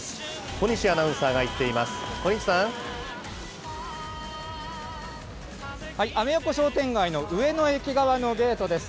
小西アナウンサーが行っています。